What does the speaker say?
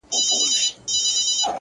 د ورځې ماته د جنت په نيت بمونه ښخ کړي”